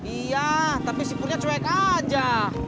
iya tapi si purnya cewek aja